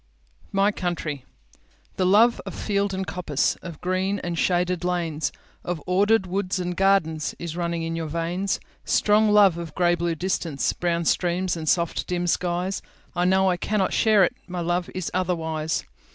My Country THE LOVE of field and coppice, Of green and shaded lanes, Of ordered woods and gardensIs running in your veins; Strong love of grey blue distance, Brown streams and soft, dim skies—I know but cannot share it, My love is otherwise.